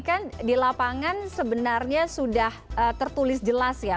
kan di lapangan sebenarnya sudah tertulis jelas ya